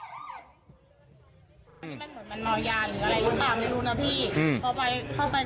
มันเหมือนมันมอดยานหรืออะไรอยู่กันไม่รู้นะพี่